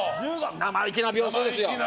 生意気な秒数ですよ。